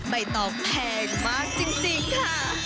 ใบตองแพงมากจริงค่ะ